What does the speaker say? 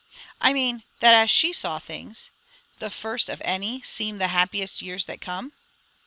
"I mean, that as she saw things, 'The first of any Seem the happiest years that come.'"